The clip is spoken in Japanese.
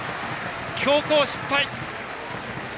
強攻失敗！